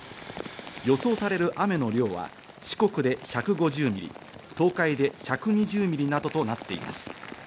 予想される雨の量は四国で１５０ミリ、東海で１２０ミリなどとなっています。